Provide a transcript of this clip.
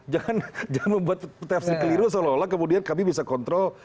jangan membuat tepsi keliru seolah olah kemudian kami bisa kontrol